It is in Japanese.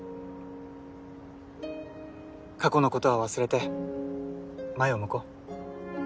過去のことは忘れて前を向こう。